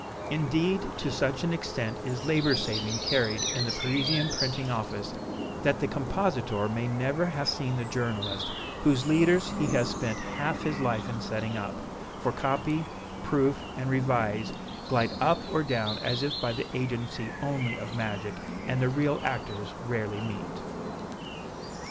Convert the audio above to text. Indeed, to such an extent is labor saving carried in the Parisian printing office that the compositor may never have seen the journalist whose leaders he has spent half his life in setting up, for copy, proof and revise glide up or down as if by the agency only of magic, and the real actors rarely meet.